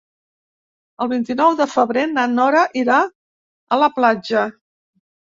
El vint-i-nou de febrer na Nora irà a la platja.